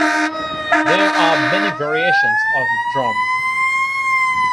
There are many variations of 'Drom'.